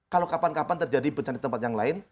kalau kapan kapan terjadi pencari tempat yang lain